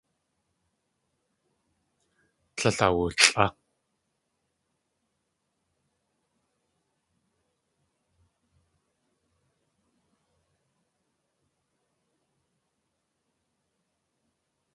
Tlél awulʼá.